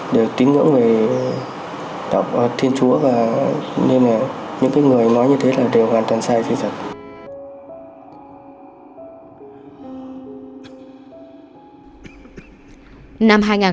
đều tín ngưỡng về đọc thiên chúa và nên là những người nói như thế là đều hoàn toàn sai chứ chẳng